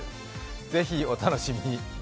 ぜひお楽しみに。